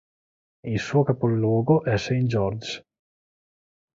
Il suo capoluogo è Saint-Georges.